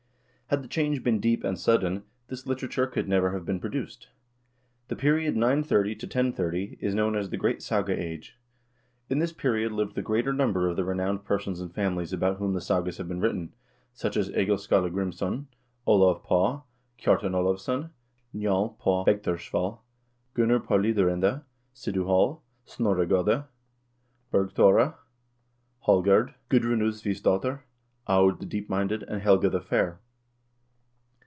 Had the change been deep and sudden, this literature could never have been produced. The period 930 1030 is known as the great Saga Age. In this period lived the greater number of the renowned persons and families about whom the sagas have been written ; such as, Egil Skallagrimsson, Olav Paa, Kjartan Olavsson, Njal paa Bergthorshval, Gunnar paa Lidarende, Sidu Hall, Snorre Gode; Bergthora, Hallgerd, Gudrun Usvivsdotter, Aud the Deepminded, and Helga the Fair.